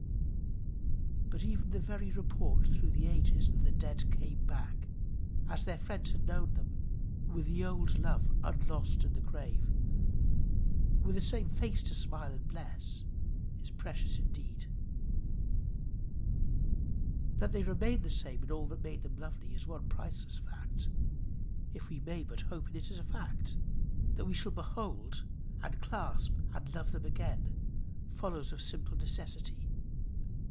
But even the very report through the ages that the dead came back, as their friends had known them, with the old love unlost in the grave, with the same face to smile and bless, is precious indeed. That they remain the same in all that made them lovely, is the one priceless fact if we may but hope in it as a fact. That we shall behold, and clasp, and love them again follows of simple necessity.